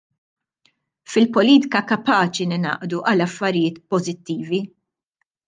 Fil-politika kapaċi ningħaqdu għal affarijiet pożittivi.